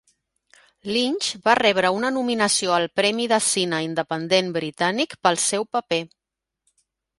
Lynch va rebre una nominació al premi de cine independent britànic pel seu paper.